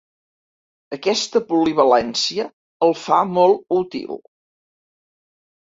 Aquesta polivalència el fa molt útil.